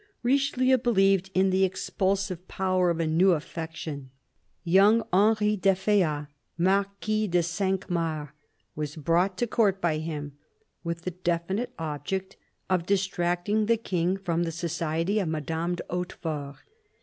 Richelieu believed in " the expulsive power of a new THE CTAKDINAL 271 affection." Young Henry d'Effiat, Marquis de Cinq Mars, was brought to Court by him with the definite object of distracting the King from the society of Madame de Haute fort.